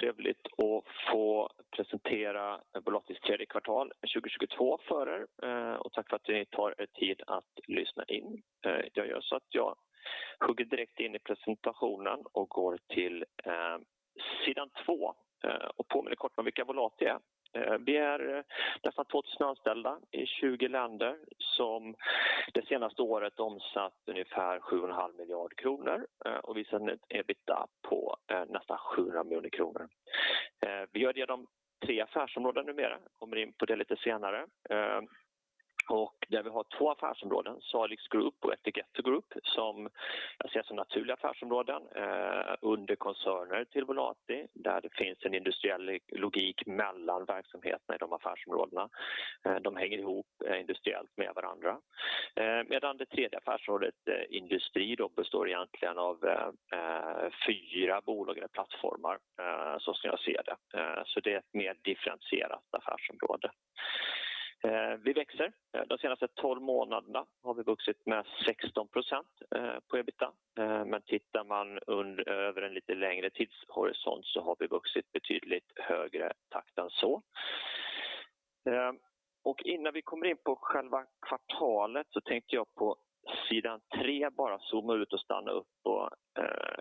Trevligt att få presentera Volatis tredje kvartal 2022 för er. Tack för att ni tar er tid att lyssna in. Jag gör så att jag hugger direkt in i presentationen och går till sidan 2 och påminner kort om vilka Volati är. Vi är nästan 2,000 anställda i 20 länder som det senaste året omsatt ungefär SEK 7.5 miljard. Visar ett EBITDA på nästan 700 miljoner SEK. Vi gör det i de tre affärsområden numera. Kommer in på det lite senare. Där vi har två affärsområden, Salix Group och Etiketto Group, som jag ser som naturliga affärsområden under koncernen till Volati, där det finns en industriell logik mellan verksamheten i de affärsområdena. De hänger ihop industriellt med varandra. Medan det tredje affärsområdet Industri då består egentligen av 4 bolag eller plattformar, så ska jag se det. Det är ett mer differentierat affärsområde. Vi växer. De senaste 12 månaderna har vi vuxit med 16% på EBITDA. Tittar man på en lite längre tidshorisont så har vi vuxit i betydligt högre takt än så. Innan vi kommer in på själva kvartalet så tänkte jag på sidan tre bara zooma ut och stanna upp och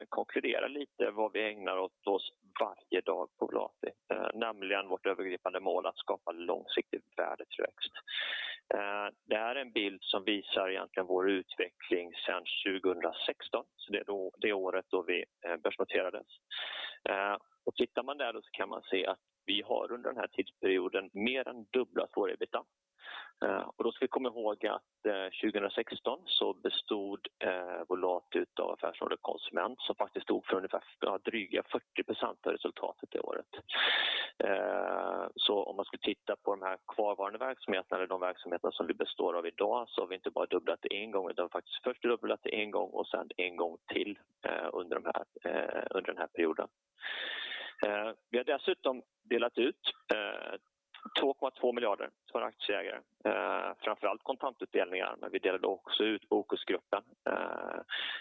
konkludera lite vad vi ägnar oss åt varje dag på Volati. Nämligen vårt övergripande mål att skapa långsiktig värdetillväxt. Det här är en bild som visar egentligen vår utveckling sedan 2016. Det är då, det året då vi börsnoterades. Tittar man där då så kan man se att vi har under den här tidsperioden mer än dubblat vår EBITDA. Då ska vi komma ihåg att 2016 så bestod Volati ut av affärsområdet Konsument som faktiskt stod för ungefär drygt 40% av resultatet det året. Om man skulle titta på de här kvarvarande verksamheterna eller de verksamheter som vi består av i dag så har vi inte bara dubblat det en gång, utan faktiskt först dubblat det en gång och sedan en gång till under de här, under den här perioden. Vi har dessutom delat ut SEK 2.2 miljarder till våra aktieägare. Framför allt kontantutdelningar, men vi delade också ut Bokusgruppen.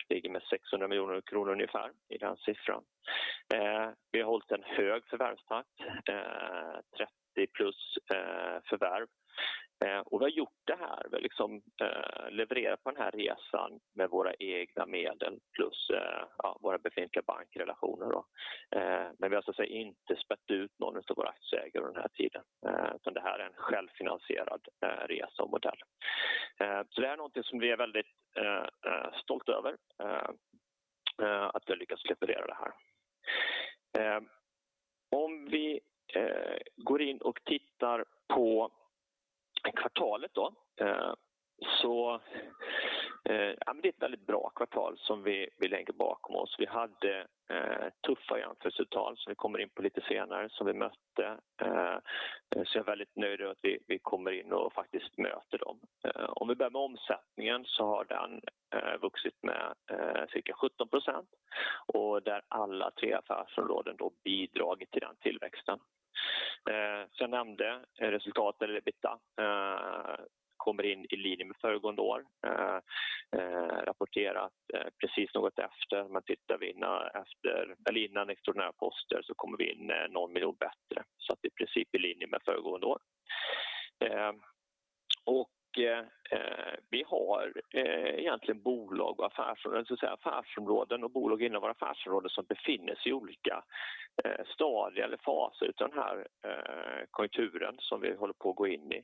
Ligger med SEK 600 miljoner kronor ungefär i den siffran. Vi har hållit en hög förvärvstakt, 30+ förvärv. Vi har gjort det här, vi har liksom levererat på den här resan med våra egna medel plus ja, våra befintliga bankrelationer då. Vi har så att säga inte spätt ut någon utav våra aktieägare under den här tiden. Det här är en självfinansierad resa och modell. Det är någonting som vi är väldigt stolt över att vi har lyckats leverera det här. Om vi går in och tittar på kvartalet, det är ett väldigt bra kvartal som vi lägger bakom oss. Vi hade tuffa jämförelsetal som vi kommer in på lite senare, som vi mötte. Jag är väldigt nöjd över att vi kommer in och faktiskt möter dem. Om vi börjar med omsättningen så har den vuxit med cirka 17% och där alla 3 affärsområden bidragit till den tillväxten. Som jag nämnde, resultat eller EBITDA, kommer in i linje med föregående år. Rapporterat precis något efter, om man tittar vi innan, efter, eller innan extraordinära poster så kommer vi in någon miljon SEK bättre. Att vi i princip i linje med föregående år. Vi har egentligen bolag och affärsområden, så att säga affärsområden och bolag inom våra affärsområden som befinner sig i olika stadier eller faser i den här konjunkturen som vi håller på att gå in i.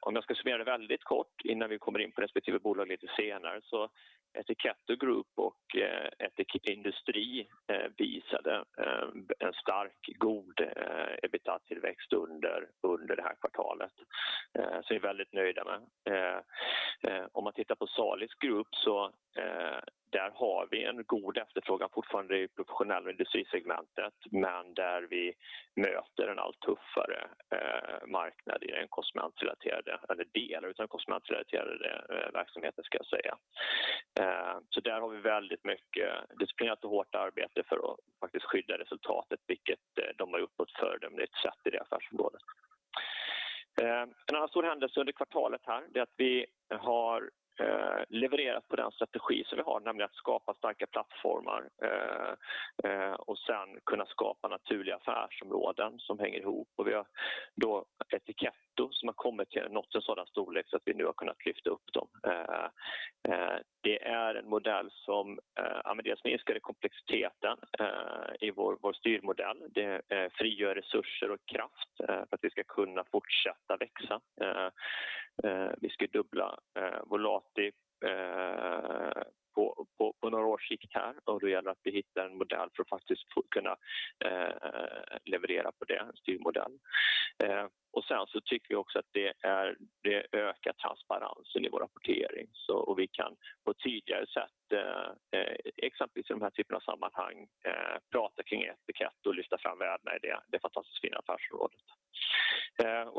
Om jag ska summera det väldigt kort innan vi kommer in på respektive bolag lite senare, Etiketto Group och Industri visade en stark god EBITDA-tillväxt under det här kvartalet. Det är vi väldigt nöjda med. Om man tittar på Salix Group, har vi en god efterfrågan fortfarande i professionella industrisegmentet, men där vi möter en allt tuffare marknad i den konsumentrelaterade eller del av den konsumentrelaterade verksamheten ska jag säga. Där har vi väldigt mycket disciplinärt och hårt arbete för att faktiskt skydda resultatet, vilket de har gjort på ett föredömligt sätt i det affärsområdet. En annan stor händelse under kvartalet här det är att vi har levererat på den strategi som vi har, nämligen att skapa starka plattformar och sedan kunna skapa naturliga affärsområden som hänger ihop. Vi har då Etiketto som har kommit till en sådan storlek så att vi nu har kunnat lyfta upp dem. Det är en modell som, ja men dels minskar det komplexiteten i vår styrmodell. Det frigör resurser och kraft för att vi ska kunna fortsätta växa. Vi ska dubbla Volati på några års sikt här och då gäller det att vi hittar en modell för att faktiskt kunna leverera på det, en styrmodell. Sen så tycker vi också att det är, det ökar transparensen i vår rapportering. Vi kan på ett tydligare sätt, exempelvis i de här typerna av sammanhang, prata kring Etiketto och lyfta fram värdena i det fantastiskt fina affärsområdet.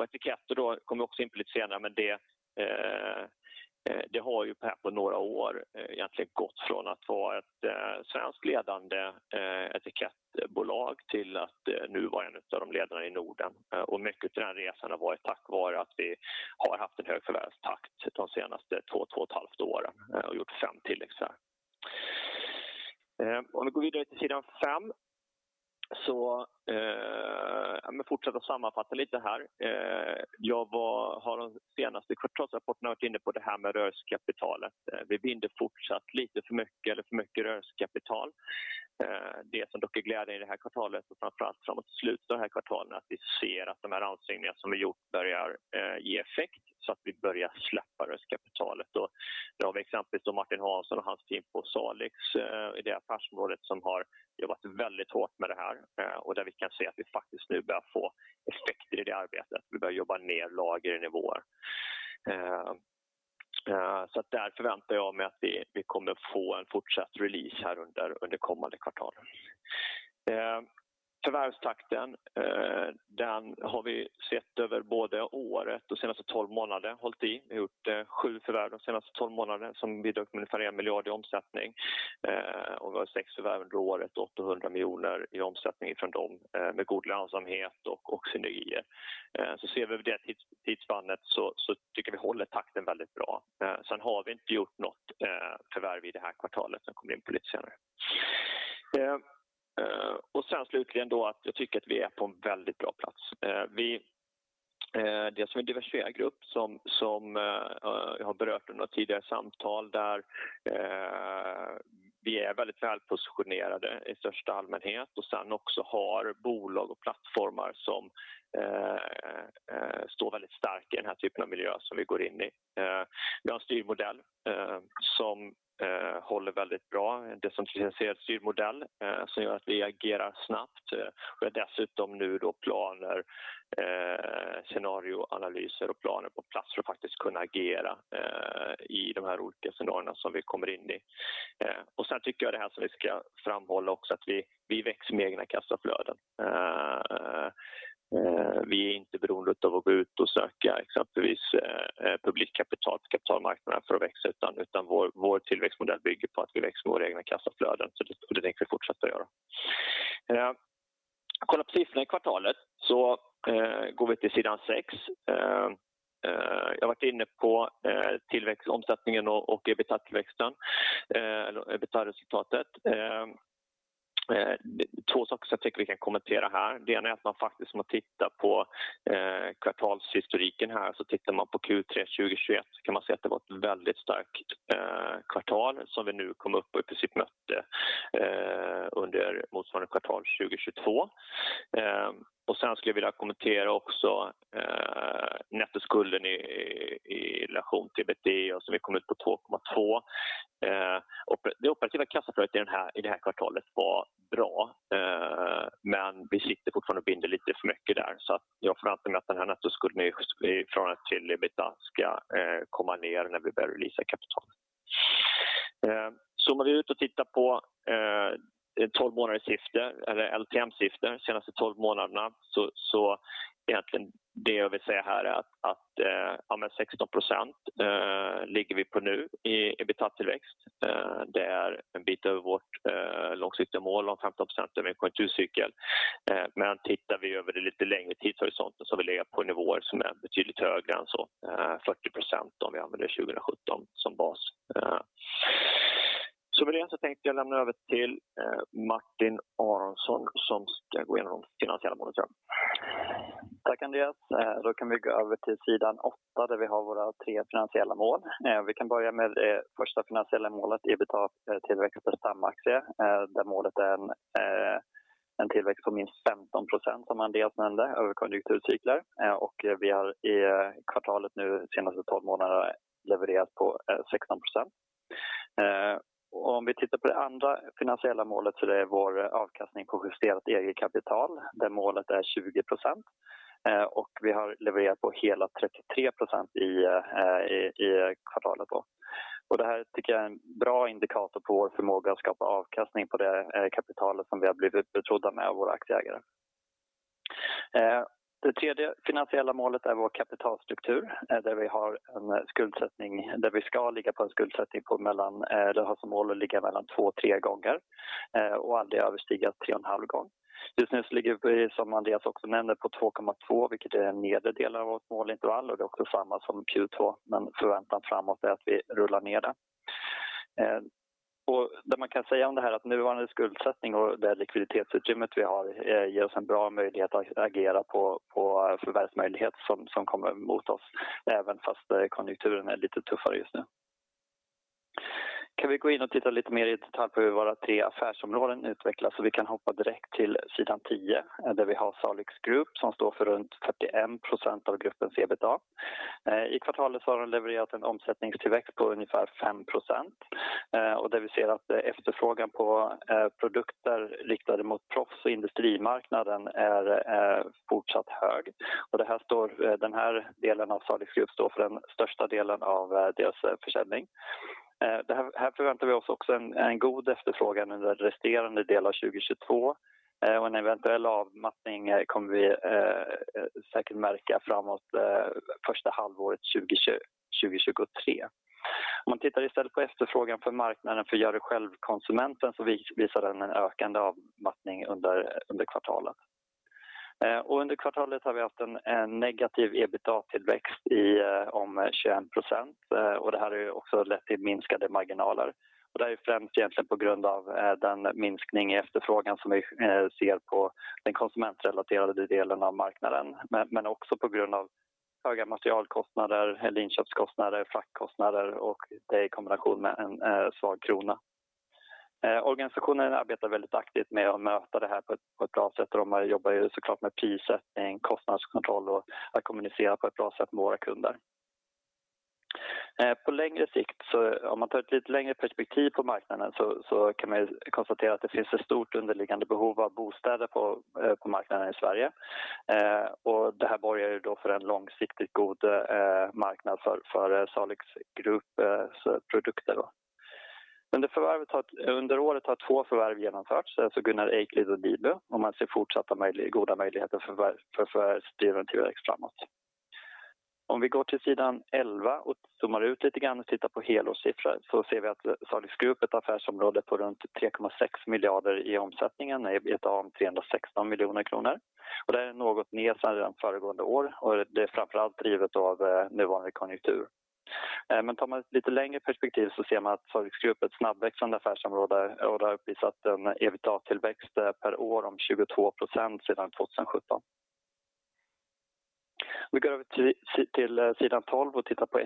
Etiketto då kommer vi också in på lite senare, men det har ju på några år egentligen gått från att vara ett svensk ledande etikettbolag till att nu vara en utav de ledarna i Norden. Mycket utav den resan har varit tack vare att vi har haft en hög förvärvstakt de senaste 2 och ett halvt åren och gjort 5 tillägg förvärv. Om vi går vidare till sidan 5 så, jag kommer fortsätta sammanfatta lite här. Har de senaste kvartalsrapporten varit inne på det här med rörligt kapitalet. Vi binder fortsatt lite för mycket rörligt kapital. Det som dock är glädjande i det här kvartalet och framför allt framåt slutet av det här kvartalet är att vi ser att de här åtgärder som vi har gjort börjar ge effekt så att vi börjar släppa rörligt kapitalet. Då har vi exempelvis Martin Hansson och hans team på Salix i det affärsområdet som har jobbat väldigt hårt med det här och där vi kan se att vi faktiskt nu börjar få effekter i det arbetet. Vi börjar jobba ner lagernivåer. Så att där förväntar jag mig att vi kommer att få en fortsatt release här under kommande kvartal. Förvärvstakten, den har vi sett över både året och de senaste 12 månaderna hållit i. Vi har gjort 7 förvärv de senaste 12 månaderna som bidragit med ungefär SEK 1 miljard i omsättning. Vi har 6 förvärv under året, SEK 800 miljoner i omsättning ifrån dem med god lönsamhet och synergi. Ser vi över det tidsspannet så tycker vi håller takten väldigt bra. Sen har vi inte gjort något förvärv i det här kvartalet som kommer in lite senare. Sen slutligen då att jag tycker att vi är på en väldigt bra plats. Vi, dels som en diversifierad grupp som jag har berört under några tidigare samtal där vi är väldigt välpositionerade i största allmänhet och sen också har bolag och plattformar som står väldigt starkt i den här typen av miljö som vi går in i. Vi har en styrmodell som håller väldigt bra. Det är en decentraliserad styrmodell som gör att vi agerar snabbt. Vi har dessutom nu då planer, scenarioanalyser och planer på plats för att faktiskt kunna agera i de här olika scenarierna som vi kommer in i. Sen tycker jag det här som vi ska framhålla också att vi växer med egna kassaflöden. Vi är inte beroende utav att gå ut och söka exempelvis publikt kapital på kapitalmarknaden för att växa, utan vår tillväxtmodell bygger på att vi växer med vår egna kassaflöden. Det tänker vi fortsätta att göra. Kollar vi på siffrorna i kvartalet så går vi till sidan 6. Jag har varit inne på tillväxt, omsättningen och EBITA-tillväxten, eller EBITA-resultatet. 2 saker som jag tycker vi kan kommentera här. Det ena är att man faktiskt om man tittar på kvartalshistoriken här, så tittar man på Q3 2021 kan man se att det var ett väldigt starkt kvartal som vi nu kom upp och precis mötte under motsvarande kvartal 2022. Sen skulle jag vilja kommentera också nettoskulden i relation till EBITDA som vi kom ut på 2.2. Det operativa kassaflödet i det här kvartalet var bra, men vi sitter fortfarande och binder lite för mycket där. Så att jag förväntar mig att den här nettoskulden i förhållande till EBITDA ska komma ner när vi börjar releasa kapital. Zoomar vi ut och tittar på 12 månaders siffror eller LTM-siffror senaste 12 månaderna så egentligen det jag vill säga här är att 16% ligger vi på nu i EBITA-tillväxt. Det är en bit över vårt långsiktiga mål om 15% över en konjunkturcykel. Tittar vi över det lite längre tidshorisonten så vill jag på nivåer som är betydligt högre än så, 40% om vi använder 2017 som bas. Med det så tänkte jag lämna över till Martin Aronsson som ska gå igenom de finansiella målen tror jag. Tack Andreas. Kan vi gå över till sidan 8 där vi har våra tre finansiella mål. Vi kan börja med första finansiella målet, EBITA-tillväxt per stamaktie, där målet är en tillväxt på minst 15% som Andreas nämnde över konjunkturcykler. Vi har i kvartalet nu senaste 12 månaderna levererat på 16%. Om vi tittar på det andra finansiella målet så är det vår avkastning på justerat eget kapital, där målet är 20%. Vi har levererat på hela 33% i kvartalet då. Det här tycker jag är en bra indikator på vår förmåga att skapa avkastning på det kapitalet som vi har blivit betrodda med av våra aktieägare. Det tredje finansiella målet är vår kapitalstruktur, där vi har en skuldsättning, där vi ska ligga på en skuldsättning på mellan, eller har som mål att ligga mellan 2-3 gånger och aldrig överstiga 3.5 gånger. Just nu så ligger vi, som Andreas också nämner, på 2.2, vilket är nedre delen av vårt målintervall och det är också samma som Q2. Förväntan framåt är att vi rullar ner det. Det man kan säga om det här, att nuvarande skuldsättning och det likviditetsutrymme vi har ger oss en bra möjlighet att agera på förvärvsmöjlighet som kommer mot oss även fast konjunkturen är lite tuffare just nu. Kan vi gå in och titta lite mer i detalj på hur våra tre affärsområden utvecklas? Vi kan hoppa direkt till sidan 10, där vi har Salix Group som står för runt 35% av gruppens EBITDA. I kvartalet har de levererat en omsättningstillväxt på ungefär 5%. Där vi ser att efterfrågan på produkter riktade mot proffs- och industrimarknaden är fortsatt hög. Den här delen av Salix Group står för den största delen av deras försäljning. Här förväntar vi oss också en god efterfrågan under resterande del av 2022. En eventuell avmattning kommer vi säkert märka framåt första halvåret 2023. Om man tittar istället på efterfrågan för marknaden för gör-det-själv-konsumenten visar den en ökande avmattning under kvartalet. Under kvartalet har vi haft en negativ EBITDA-tillväxt om 21%. Det här är också lett till minskade marginaler. Det är främst egentligen på grund av den minskning i efterfrågan som vi ser på den konsumentrelaterade delen av marknaden, men också på grund av höga materialkostnader eller inköpskostnader, fraktkostnader och det i kombination med en svag krona. Organisationen arbetar väldigt aktivt med att möta det här på ett bra sätt. De jobbar ju så klart med prissättning, kostnadskontroll och att kommunicera på ett bra sätt med våra kunder. På längre sikt, om man tar ett lite längre perspektiv på marknaden, så kan man ju konstatera att det finns ett stort underliggande behov av bostäder på marknaden i Sverige. Och det här borgar ju då för en långsiktigt god marknad för Salix Groups produkter. Under året har två förvärv genomförts, alltså Gunnar Eikild och Dibo. Man ser fortsatta goda möjligheter för förvärvsdriven tillväxt framåt. Om vi går till sidan 11 och zoomar ut lite grann och tittar på helårssiffror så ser vi att Salix Group, ett affärsområde på runt SEK 3.6 billion i omsättningen, EBITDA om SEK 316 million. Det är något ner sedan föregående år och det är framför allt drivet av nuvarande konjunktur. Tar man ett lite längre perspektiv så ser man att Salix Group, ett snabbväxande affärsområde och har uppvisat en EBITDA-tillväxt per år om 22% sedan 2017. Vi går över till sidan 12 och tittar på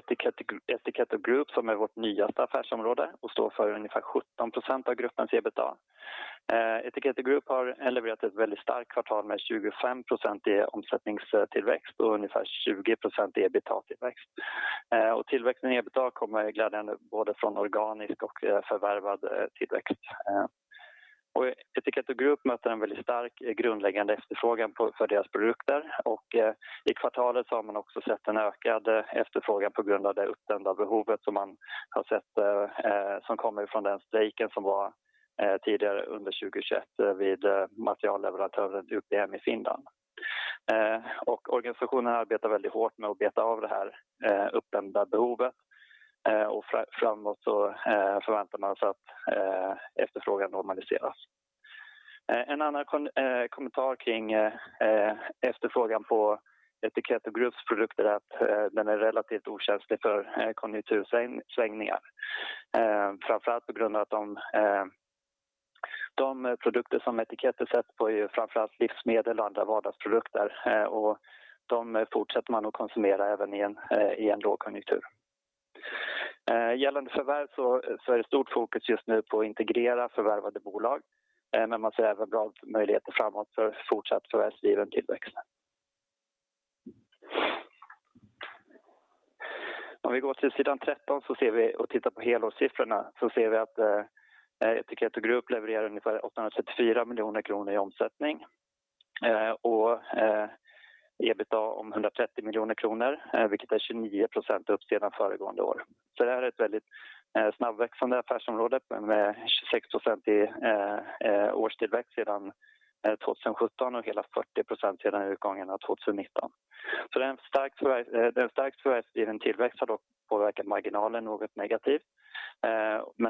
Etiketto Group som är vårt nyaste affärsområde och står för ungefär 17% av gruppens EBITDA. Etiketto Group har levererat ett väldigt starkt kvartal med 25% i omsättningstillväxt och ungefär 20% i EBITDA-tillväxt. Tillväxten i EBITDA kommer glädjande både från organiskt och förvärvad tillväxt. Etiketto Group möter en väldigt stark grundläggande efterfrågan för deras produkter. I kvartalet har man också sett en ökad efterfrågan på grund av det uppdämda behovet som man har sett, som kommer från den strejken som var tidigare under 2021 vid materialleverantören UPM i Finland. Organisationen arbetar väldigt hårt med att beta av det här uppdämda behovet. Framåt så förväntar man sig att efterfrågan normaliseras. En annan kommentar kring efterfrågan på Etiketto Group's produkter är att den är relativt okänslig för konjunktursvängningar. Framför allt på grund av att de produkter som Etiketto sätter på är ju framför allt livsmedel och andra vardagsprodukter. De fortsätter man att konsumera även i en lågkonjunktur. Gällande förvärv så är det stort fokus just nu på att integrera förvärvade bolag. Man ser även bra möjligheter framåt för fortsatt förvärvsdriven tillväxt. Om vi går till sidan tretton så ser vi och tittar på helårssiffrorna att Etiketto Group levererar ungefär SEK 874 million i omsättning. EBITDA om SEK 130 million, vilket är 29% upp sedan föregående år. Det här är ett väldigt snabbväxande affärsområde med 26% i årstillväxt sedan 2017 och hela 40% sedan utgången av 2019. Den starkt förvärvsdriven tillväxt har dock påverkat marginalen något negativt.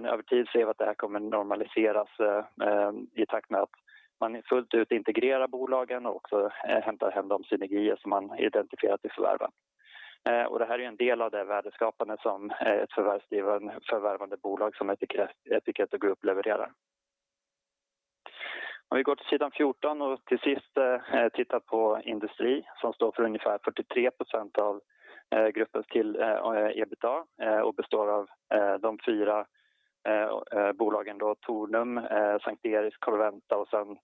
Över tid ser vi att det här kommer normaliseras i takt med att man fullt ut integrerar bolagen och också hämtar hem de synergier som man identifierat i förvärven. Det här är en del av det värdeskapande som ett förvärvsdrivande, förvärvande bolag som Etiketto Group levererar. Om vi går till sidan 14 och till sist tittar på industri som står för ungefär 43% av gruppens EBITDA och består av de fyra bolagen Tornum, S:t Eriks, Corroventa och sen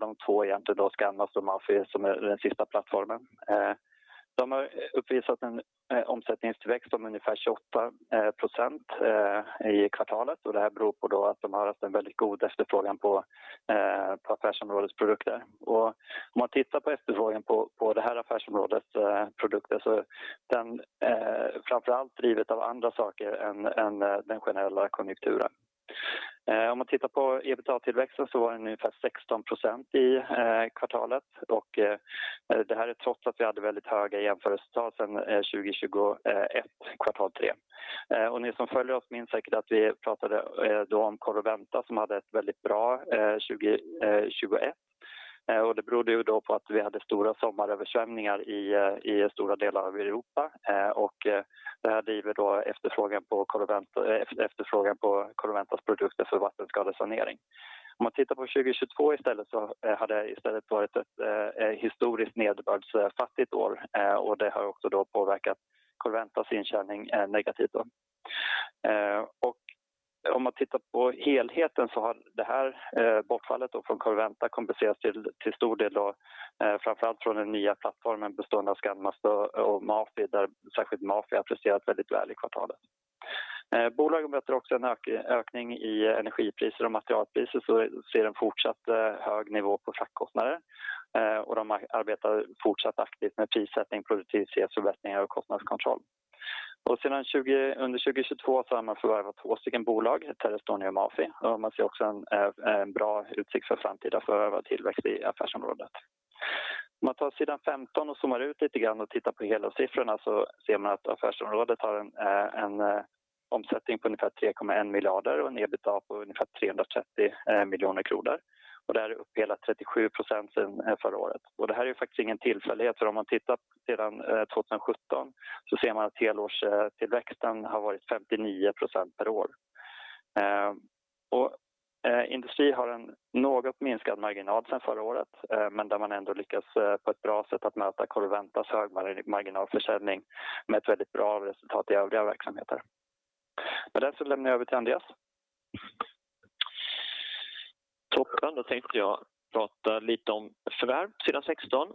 de två egentligen Scanmast och MAFI som är den sista plattformen. De har uppvisat en omsättningstillväxt om ungefär 28% i kvartalet. Det här beror på att de har haft en väldigt god efterfrågan på affärsområdets produkter. Om man tittar på efterfrågan på det här affärsområdets produkter så den är framför allt drivet av andra saker än den generella konjunkturen. Om man tittar på EBITDA-tillväxten så var den ungefär 16% i kvartalet. Det här är trots att vi hade väldigt höga jämförelsetal sedan 2021, kvartal tre. Ni som följer oss minns säkert att vi pratade då om Corroventa som hade ett väldigt bra 2021. Det berodde ju då på att vi hade stora sommaröversvämningar i stora delar av Europa. Det här driver då efterfrågan på Corroventas produkter för vattenskadesanering. Om man tittar på 2022 istället så har det istället varit ett historiskt nederbördsfattigt år och det har också då påverkat Corroventas intjäning negativt då. Om man tittar på helheten så har det här bortfallet från Corroventa kompenserats till stor del då framför allt från den nya plattformen bestående av Scanmast och MAFI, där särskilt MAFI har presterat väldigt väl i kvartalet. Bolagen möter också en ökning i energipriser och materialpriser så ser en fortsatt hög nivå på fraktkostnader. De arbetar fortsatt aktivt med prissättning, produktivitetsförbättringar och kostnadskontroll. Under 2022 så har man förvärvat 2 stycken bolag, Terästorni och MAFI. Man ser också en bra utsikt för framtida förvärvad tillväxt i affärsområdet. Om man tar sidan 15 och zoomar ut lite grann och tittar på helårssiffrorna så ser man att affärsområdet har en omsättning på ungefär SEK 3.1 miljarder och en EBITDA på ungefär SEK 330 miljoner. Det här är upp hela 37% sedan förra året. Det här är faktiskt ingen tillfällighet. Om man tittar sedan 2017 så ser man att helårstillväxten har varit 59% per år. Industri har en något minskad marginal sedan förra året, men man ändå lyckas på ett bra sätt att möta Corroventas hög marginalförsäljning med ett väldigt bra resultat i övriga verksamheter. Lämnar jag över till Andreas. Toppen, då tänkte jag prata lite om förvärv, sidan 16,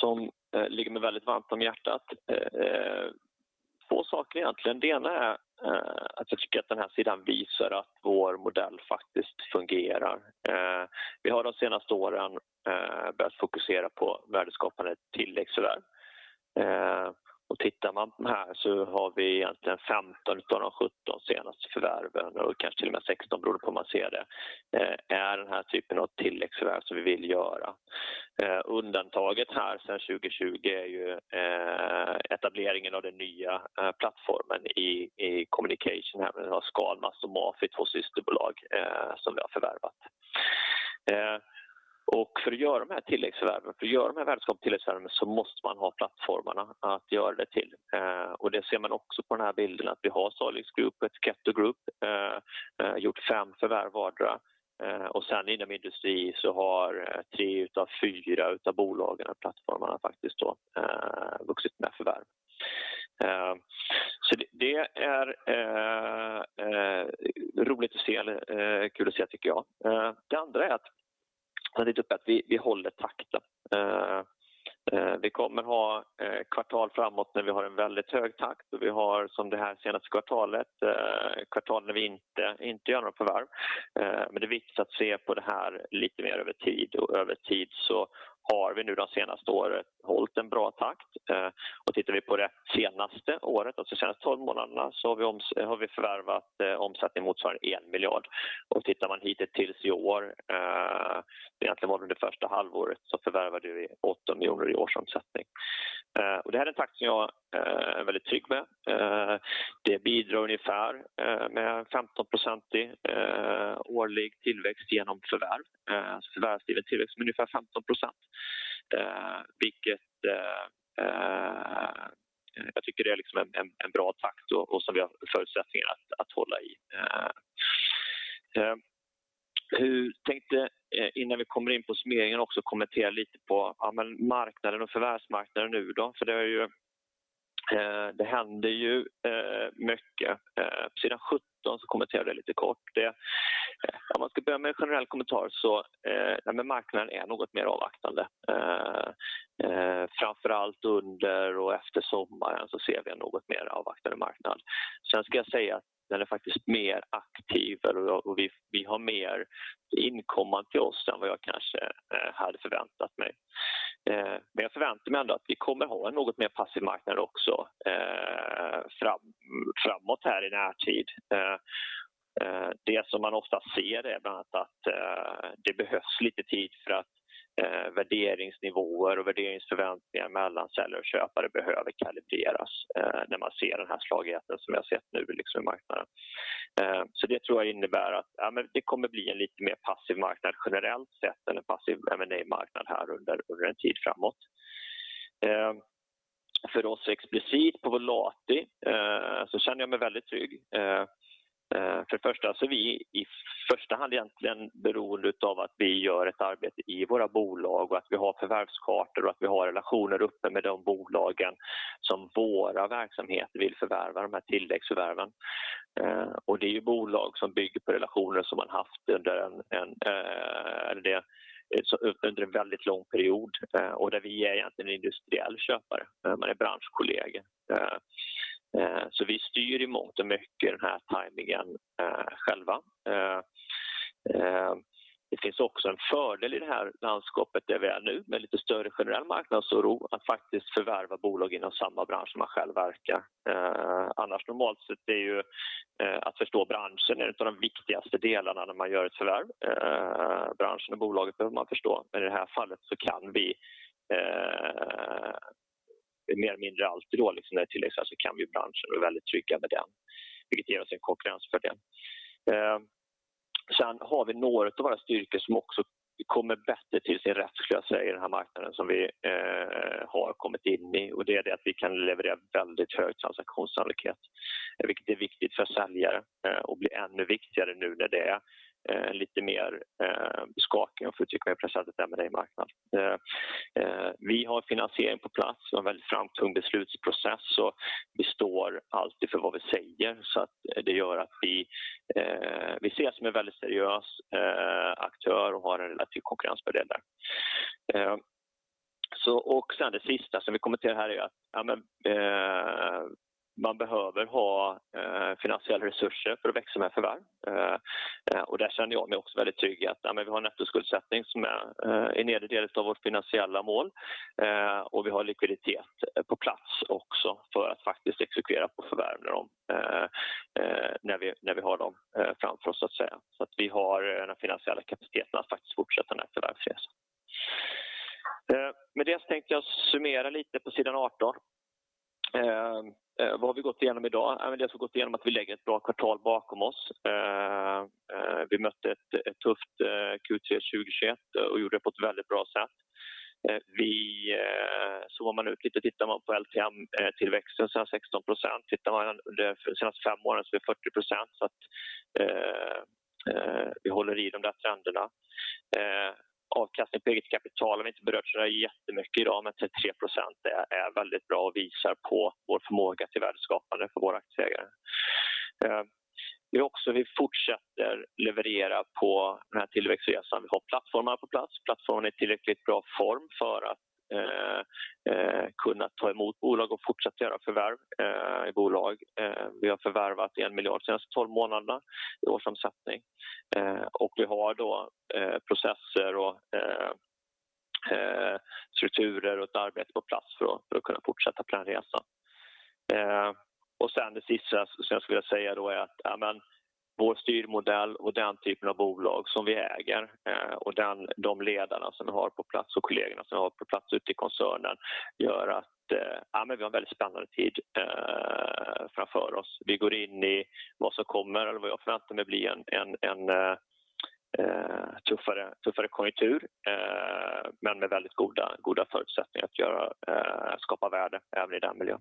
som ligger mig väldigt varmt om hjärtat. Två saker egentligen. Det ena är att jag tycker att den här sidan visar att vår modell faktiskt fungerar. Vi har de senaste åren börjat fokusera på värdeskapande tilläggsförvärv. Och tittar man här så har vi egentligen 15 av de 17 senaste förvärven och kanske till och med 16 beror det på hur man ser det, är den här typen av tilläggsförvärv som vi vill göra. Undantaget här sedan 2020 är ju etableringen av den nya plattformen i Communication. Vi har Scanmast och MAFI, två systerbolag, som vi har förvärvat. Och för att göra de här tilläggsförvärven, för att göra de här värdeskapande tilläggsförvärven så måste man ha plattformarna att göra det till. Det ser man också på den här bilden att vi har Salix Group och Etiketto Group gjort 5 förvärv vardera. Sen inom Industri så har 3 av 4 av bolagen, plattformarna faktiskt då vuxit med förvärv. Så det är roligt att se eller kul att se tycker jag. Det andra är att vi håller takten. Vi kommer ha kvartal framåt när vi har en väldigt hög takt. Vi har som det här senaste kvartalet när vi inte gör några förvärv. Men det är viktigt att se på det här lite mer över tid. Över tid så har vi nu de senaste åren hållit en bra takt. Tittar vi på det senaste året, alltså de senaste 12 månaderna, så har vi förvärvat omsättning motsvarande SEK 1 miljard. Tittar man hittills i år, det är egentligen under det första halvåret, så förvärvar du SEK 8 miljoner i årsomsättning. Det här är en takt som jag är väldigt trygg med. Det bidrar ungefär med en 15-procentig årlig tillväxt genom förvärv. Alltså förvärvsdriven tillväxt med ungefär 15%. Vilket jag tycker det är liksom en bra takt och som vi har förutsättningar att hålla i. Jag tänkte innan vi kommer in på summeringen också kommentera lite på, ja men marknaden och förvärvsmarknaden nu då. För det är ju det händer ju mycket. På sidan 17 så kommenterar jag det lite kort. Om man ska börja med en generell kommentar så, ja men marknaden är något mer avvaktande. Framför allt under och efter sommaren så ser vi en något mer avvaktande marknad. Ska jag säga att den är faktiskt mer aktiv och vi har mer inkommande till oss än vad jag kanske hade förväntat mig. Jag förväntar mig ändå att vi kommer att ha en något mer passiv marknad också, framåt här i närtid. Det som man ofta ser är bland annat att det behövs lite tid för att värderingsnivåer och värderingsförväntningar mellan säljare och köpare behöver kalibreras när man ser den här slagigheten som jag har sett nu liksom i marknaden. Det tror jag innebär att, ja men det kommer bli en lite mer passiv marknad generellt sett. En passiv M&A-marknad här under en tid framåt. För oss explicit på Volati, känner jag mig väldigt trygg. För det första så vi i första hand egentligen beroende utav att vi gör ett arbete i våra bolag och att vi har förvärvskartor och att vi har relationer uppe med de bolagen som våra verksamheter vill förvärva, de här tilläggsförvärven. Det är ju bolag som bygger på relationer som man haft under en väldigt lång period och där vi är egentligen en industriell köpare. Man är branschkollegor. Vi styr i mångt och mycket den här tajmingen själva. Det finns också en fördel i det här landskapet där vi är nu med lite större generell marknadsoro att faktiskt förvärva bolag inom samma bransch som man själv verkar. Annars normalt sett det är ju att förstå branschen är en utav de viktigaste delarna när man gör ett förvärv. Branschen och bolaget behöver man förstå. I det här fallet så kan vi mer eller mindre alltid då liksom när det tillkommer så känner vi branschen och är väldigt trygga med den, vilket ger oss en konkurrensfördel. Har vi något av våra styrkor som också kommer bättre till sin rätt skulle jag säga i den här marknaden som vi har kommit in i. Det är det att vi kan leverera väldigt hög transaktionssannolikhet, vilket är viktigt för säljare, och blir ännu viktigare nu när det är lite mer skakig om jag får uttrycka mig på det sättet, M&A-marknad. Vi har finansiering på plats och en väldigt framtung beslutsprocess. Vi står alltid för vad vi säger. Det gör att vi ses som en väldigt seriös aktör och har en relativ konkurrensfördel där. Så och sen det sista som vi kommenterar här är att man behöver ha finansiella resurser för att växa med förvärv. Och där känner jag mig också väldigt trygg i att vi har en nettoskuldsättning som är nedre delen av vårt finansiella mål. Och vi har likviditet på plats också för att faktiskt exekvera på förvärv när vi har dem framför oss så att säga. Vi har den finansiella kapaciteten att faktiskt fortsätta den här förvärvsresan. Med det tänkte jag summera lite på sidan 18. Vad har vi gått igenom i dag? Dels har vi gått igenom att vi lägger ett bra kvartal bakom oss. Vi mötte ett tufft Q3 2021 och gjorde det på ett väldigt bra sätt. Vi... Zoomar man ut lite, tittar man på LTM-tillväxten så är det 16%. Tittar man under de senaste 5 åren så är det 40%. Så att vi håller i de där trenderna. Avkastning på eget kapital har vi inte berört sådär jättemycket i dag, men 33%. Det är väldigt bra och visar på vår förmåga till värdeskapande för våra aktieägare. Det är också vi fortsätter leverera på den här tillväxtresan. Vi har plattformarna på plats. Plattformen är i tillräckligt bra form för att kunna ta emot bolag och fortsätta göra förvärv i bolag. Vi har förvärvat SEK 1 miljard de senaste 12 månaderna i årsomsättning. Och vi har då processer och strukturer och ett arbete på plats för att kunna fortsätta på den resan. Sen det sista som jag skulle vilja säga då är att men vår styrmodell och den typen av bolag som vi äger och de ledarna som vi har på plats och kollegorna som vi har på plats ute i koncernen gör att men vi har en väldigt spännande tid framför oss. Vi går in i vad som kommer eller vad jag förväntar mig bli en tuffare konjunktur men med väldigt goda förutsättningar att skapa värde även i den miljön.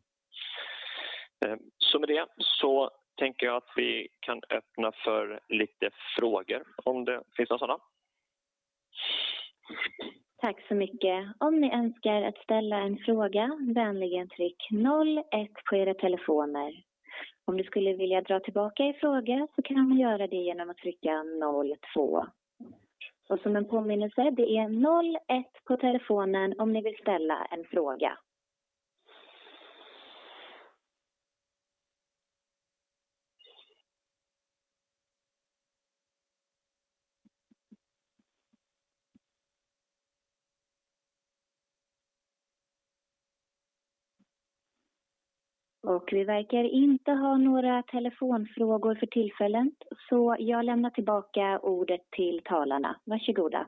Med det så tänker jag att vi kan öppna för lite frågor om det finns några sådana. Tack så mycket. Om ni önskar att ställa en fråga, vänligen tryck noll ett på era telefoner. Om du skulle vilja dra tillbaka er fråga så kan man göra det igenom att trycka noll två. Som en påminnelse, det är noll ett på telefonen om ni vill ställa en fråga. Vi verkar inte ha några telefonfrågor för tillfället. Jag lämnar tillbaka ordet till talarna. Varsågoda.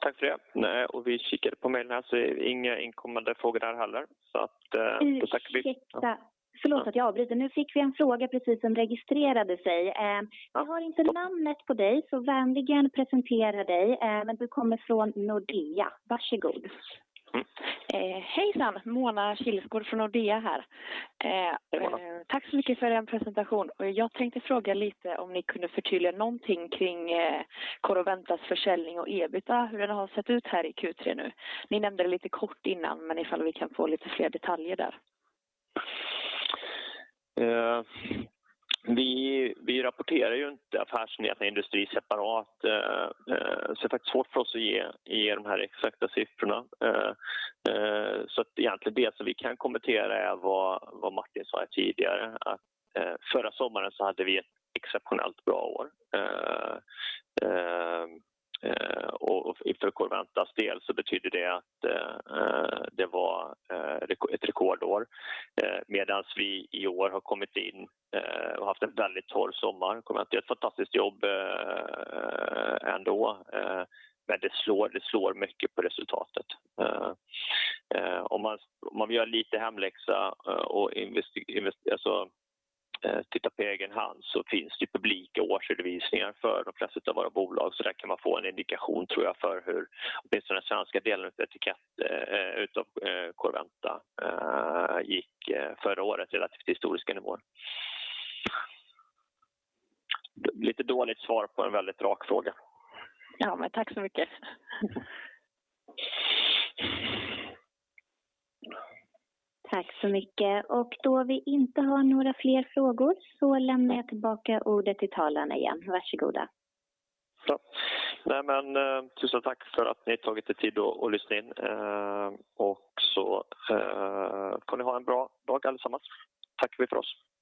Tack för det. Vi kikade på mejlen här så inga inkommande frågor där heller. Ursäkta. Förlåt att jag avbryter. Nu fick vi en fråga precis som registrerat sig. Jag har inte namnet på dig, så vänligen presentera dig. Men du kommer från Nordea. Varsågod. Hejsan, Mona Kilsgård från Nordea här. Tack så mycket för er presentation. Jag tänkte fråga lite om ni kunde förtydliga någonting kring Corroventas försäljning och EBITDA, hur den har sett ut här i Q3 nu. Ni nämnde det lite kort innan, men ifall vi kan få lite fler detaljer där. Vi rapporterar ju inte affärsenheten industri separat. Så det är faktiskt svårt för oss att ge de här exakta siffrorna. Egentligen det som vi kan kommentera är vad Martin sa tidigare. Förra sommaren så hade vi ett exceptionellt bra år. Och för Corroventas del så betydde det att det var ett rekordår. Medans vi i år har kommit in och haft en väldigt torr sommar. Corroventa har gjort ett fantastiskt jobb ändå, men det slår mycket på resultatet. Om man gör lite hemläxa, alltså tittar på egen hand så finns det ju publika årsredovisningar för de flesta utav våra bolag. Så där kan man få en indikation tror jag för hur, åtminstone den svenska delen utav Etiketto, utav Corroventa gick förra året relativt historiska nivåer. Lite dåligt svar på en väldigt rak fråga. Ja, men tack så mycket. Tack så mycket och då vi inte har några fler frågor så lämnar jag tillbaka ordet till talarna igen. Varsågod. Bra. Nej men tusen tack för att ni tagit er tid och att lyssna in. Och så får ni ha en bra dag allesammans. Tackar vi för oss.